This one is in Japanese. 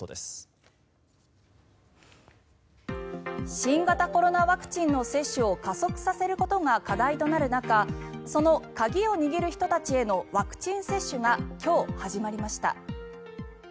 新型コロナワクチンの接種を加速させることが課題となる中その鍵を握る人たちへのワクチン接種が今日、始まりました。